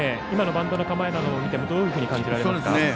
今のバントの構えなどを見てもどのように感じられますか？